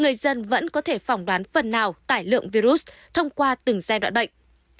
người dân vẫn có thể phỏng đoán phần nào tải lượng virus thông qua từng giai đoạn bệnh